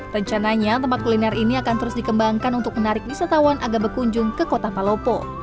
rencananya tempat kuliner ini akan terus dikembangkan untuk menarik wisatawan agar berkunjung ke kota palopo